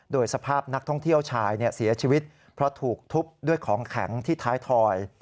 โดยสภาพนักท่องเที่ยวชายเสียชีวิตเพราะถูกทุบด้วยของแข็งที่ท้ายถอย